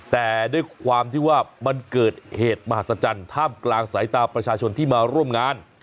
แต่ด้วยความที่ว่ามันเกิดเหตุมหัศจรรย์ท่ามกลางสายตาประชาชนที่มาร่วมงาน